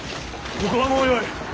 ここはもうよい。